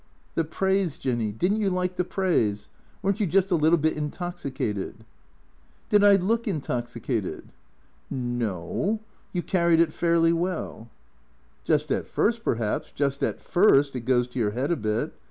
" The praise, Jinny, did n't you like the praise ? Were n't you just a little bit intoxicated ?" "Did I look intoxicated?" " No no. You carried it fairly well." " Just at first, perhaps, just at first it goes to your head a bit.